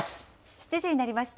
７時になりました。